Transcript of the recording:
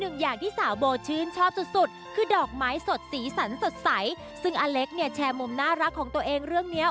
ไม่ชอบหนอนแม่งสับได้